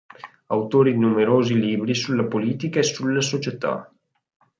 Autore di numerosi libri sulla politica e sulla società.